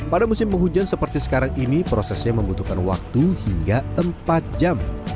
pada musim penghujan seperti sekarang ini prosesnya membutuhkan waktu hingga empat jam